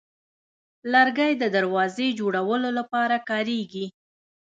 لرګی د دروازې جوړولو لپاره کارېږي.